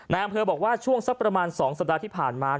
อำเภอบอกว่าช่วงสักประมาณ๒สัปดาห์ที่ผ่านมา